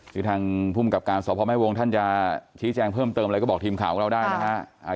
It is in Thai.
คือทางภูมิกับการสพแม่วงท่านจะชี้แจงเพิ่มเติมอะไรก็บอกทีมข่าวของเราได้นะฮะ